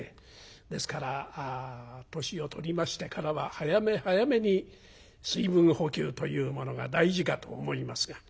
ですから年を取りましてからは早め早めに水分補給というものが大事かと思いますが。